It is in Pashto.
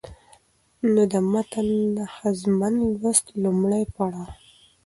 نو د متن د ښځمن لوست لومړى پړاو